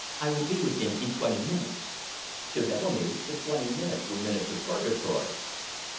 I will be with him in twenty minutes." To Bellamy, the twenty minutes were minutes of purgatory.